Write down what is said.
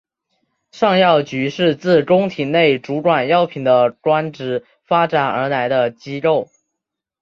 尚药局是自宫廷内主管药品的官职发展而来的机构。